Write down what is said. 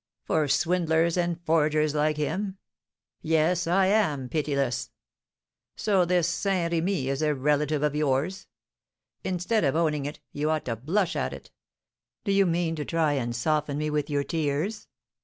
"For swindlers and forgers like him, yes, I am pitiless. So this Saint Remy is a relative of yours? Instead of owning it, you ought to blush at it. Do you mean to try and soften me with your tears?